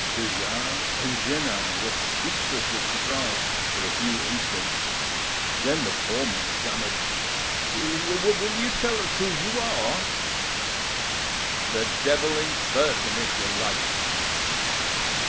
De Jars and Jeannin were speechless with surprise for a few instants; then the former stammered— "Will you tell us who you are?" "The devil in person, if you like.